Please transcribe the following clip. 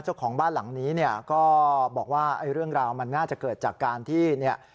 เจ้าของบ้านหลังนี้เนี่ยก็บอกว่าไอ้เรื่องราวมันน่าจะเกิดจากการที่เนี่ย